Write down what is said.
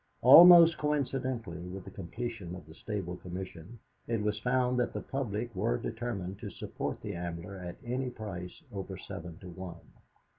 Almost coincidentally with the completion of the Stable Commission it was found that the public were determined to support the Ambler at any price over seven to one.